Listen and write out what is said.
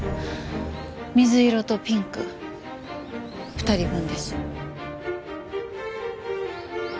水色とピンク２人分です。